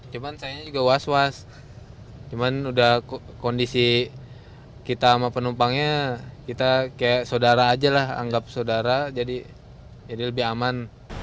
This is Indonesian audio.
cuman saya juga was was cuman udah kondisi kita sama penumpangnya kita kayak saudara aja lah anggap saudara jadi lebih aman